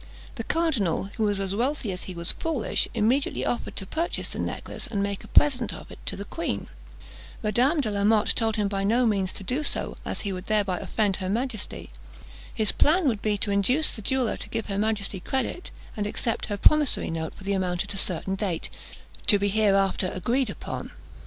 The cardinal, who was as wealthy as he was foolish, immediately offered to purchase the necklace, and make a present of it to the queen. Madame de la Motte told him by no means to do so, as he would thereby offend her majesty. His plan would be to induce the jeweller to give her majesty credit, and accept her promissory note for the amount at a certain date, to be hereafter agreed upon.